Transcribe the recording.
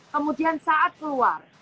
kemudian saat keluar